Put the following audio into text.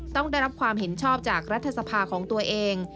ต้องได้รับความเห็นชอบจากรัฐสภาของตัวเอง